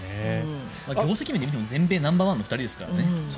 業績で見ても全米ナンバーワンの２人ですからね。